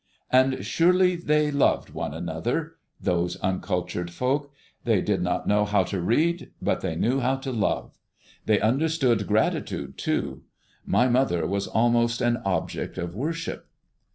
And surely they loved one another, those uncultured folk. They did not know how to read, but they knew how to love. They understood gratitude too. My mother was almost an object of worship.